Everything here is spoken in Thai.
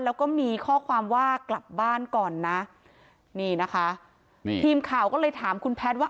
แล้วก็มีข้อความว่ากลับบ้านก่อนนะนี่นะคะนี่ทีมข่าวก็เลยถามคุณแพทย์ว่า